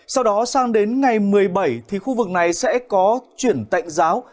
sau đó sang đến ngày một mươi bảy thì khu vực này sẽ có chuyển tạnh giáo